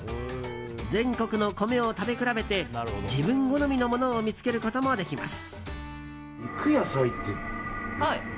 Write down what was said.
全国の米を食べ比べて自分好みのものを見つけることもできます。